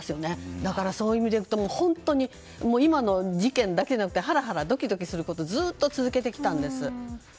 だからそういう意味でいくと本当に今の事件だけだってハラハラドキドキすることをずっと続けてきたんです。